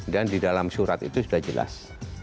dan di dalam surat itu sudah jelas